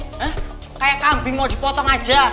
eh kayak kambing mau dipotong aja